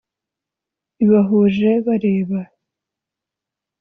ibahuje bareba